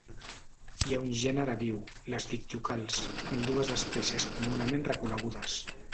Hi ha un gènere viu, les dictiocals, amb dues espècies comunament reconegudes.